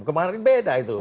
kemarin beda itu